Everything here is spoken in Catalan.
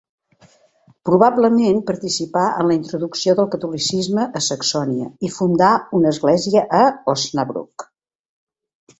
Probablement participà en la introducció del catolicisme a Saxònia i fundà una església a Osnabrück.